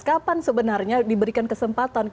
kapan sebenarnya diberikan kesempatan